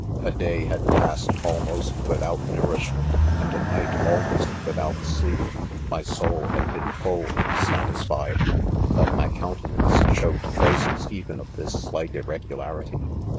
A day had passed almost without nourishment, and a night almost without sleep* My soul had been full and satisfied, but my countenance shewed traces even of this slight irregularity.